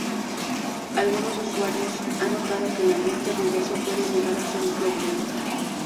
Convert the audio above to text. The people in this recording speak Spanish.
Algunos usuarios han notado que el ambiente ruidoso puede llegar a ser un problema.